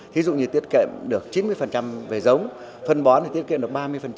thí dụ như tiết kiệm được chín mươi về giống phân bón thì tiết kiệm được ba mươi